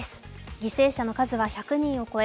犠牲者の数は１００人を超え